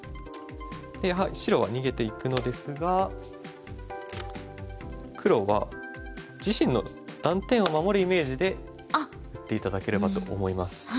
白は逃げていくのですが黒は自身の断点を守るイメージで打って頂ければと思います。